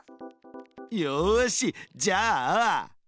よしじゃあ。